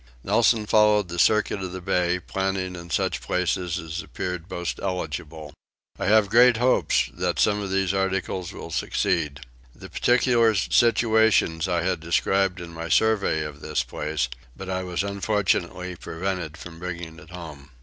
Nelson followed the circuit of the bay, planting in such places as appeared most eligible. I have great hopes that some of these articles will succeed. The particular situations I had described in my survey of this place, but I was unfortunately prevented from bringing it home.